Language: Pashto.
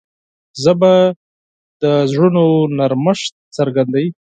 ژبه د زړونو نرمښت څرګندوي